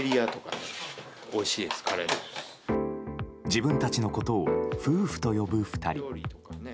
自分たちのことを夫夫と呼ぶ２人。